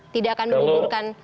tidak akan mengumurkan